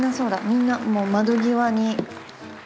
みんなもう窓際に。